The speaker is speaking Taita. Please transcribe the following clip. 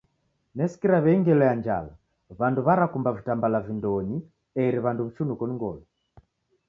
Nesikira wei ngelo ya njala, wandu warakumba vitambala vindonyi eri wandu wichunuko ni ngolo.